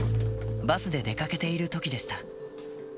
バスで出かけているときでした。